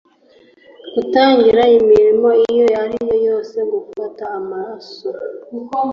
gutangira imirimo iyo ari yose yo gufata amaraso